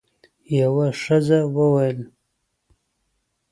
یوه ښځه وویل: